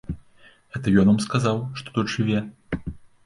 Гэта ён вам сказаў, што тут жыве?